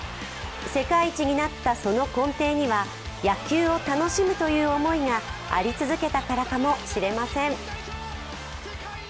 世界一になったその根底には、野球を楽しむという思いがあり続けたからかもしれません。